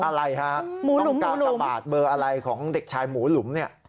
อะไรฮะต้องกากบาทเบอร์อะไรของเด็กชายหมูหลุมเนี่ย